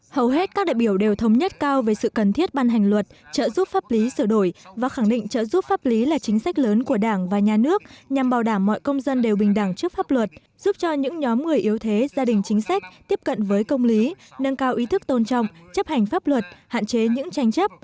hầu hết các đại biểu đều thống nhất cao về sự cần thiết ban hành luật trợ giúp pháp lý sửa đổi và khẳng định trợ giúp pháp lý là chính sách lớn của đảng và nhà nước nhằm bảo đảm mọi công dân đều bình đẳng trước pháp luật giúp cho những nhóm người yếu thế gia đình chính sách tiếp cận với công lý nâng cao ý thức tôn trọng chấp hành pháp luật hạn chế những tranh chấp